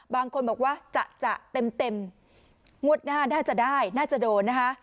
บางคนบอกว่าจะเต็มงวดหน้าน่าจะได้น่าจะโดนนะคะ